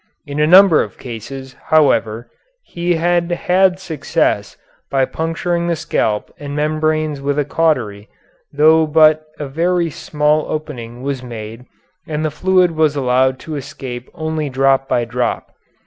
In a number of cases, however, he had had success by puncturing the scalp and membranes with a cautery, though but a very small opening was made and the fluid was allowed to escape only drop by drop.